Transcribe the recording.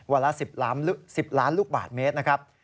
ละ๑๐ล้านลูกบาทเมตรนะครับ